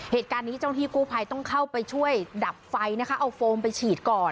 เหตุการณ์นี้เจ้าหน้าที่กู้ภัยต้องเข้าไปช่วยดับไฟนะคะเอาโฟมไปฉีดก่อน